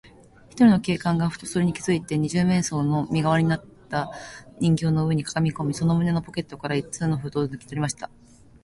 ひとりの警官が、ふとそれに気づいて、二十面相の身がわりになった人形の上にかがみこみ、その胸のポケットから一通の封書をぬきとりました。